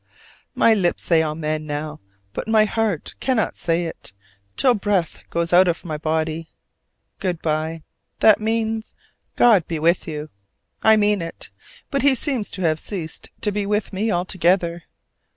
My lips say amen now: but my heart cannot say it till breath goes out of my body. Good by: that means God be with you. I mean it; but He seems to have ceased to be with me altogether.